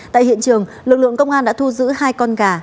tại hiện trường lực lượng công an đã thu giữ hai con gà